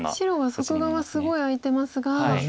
白は外側すごい空いてますが。